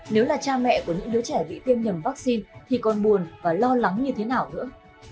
nếu là cha mẹ của những đứa trẻ bị tiêm nhầm vaccine thì còn buồn và lo lắng như thế nào nữa